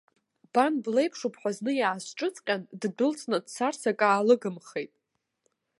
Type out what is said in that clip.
Бан блеиԥшуп ҳәа зны иаасҿыҵҟьан, ддәылҵны дцарц акы аалыгымхеит.